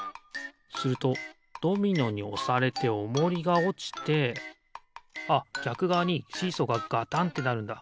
するとドミノにおされておもりがおちてあっぎゃくがわにシーソーがガタンってなるんだ。